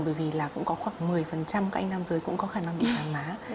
bởi vì là cũng có khoảng một mươi các anh nam giới cũng có khả năng bị giảm má